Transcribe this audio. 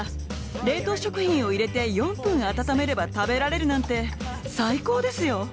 冷凍食品を入れて４分温めれば食べられるなんて最高ですよ。